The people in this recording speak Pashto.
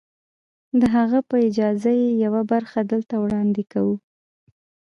د هغه په اجازه يې يوه برخه دلته وړاندې کوو.